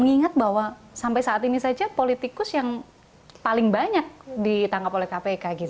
mengingat bahwa sampai saat ini saja politikus yang paling banyak ditangkap oleh kpk gitu